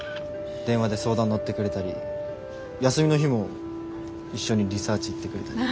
電話で相談乗ってくれたり休みの日も一緒にリサーチ行ってくれたり。